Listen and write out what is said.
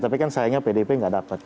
tapi kan sayangnya pdp tidak dapat